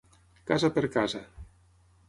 Casa per casa.